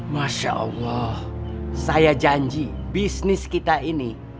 masya allah saya janji bisnis kita ini